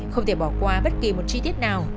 không thể bỏ qua bất kỳ một chi tiết nào